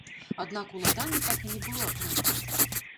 Аднак уладанне так і не было атрымана.